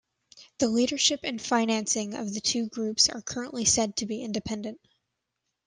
The leadership and financing of the two groups are currently said to be independent.